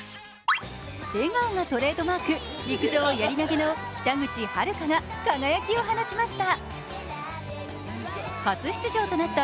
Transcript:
笑顔がトレードマーク、陸上やり投げの北口榛花が輝きを放ちました。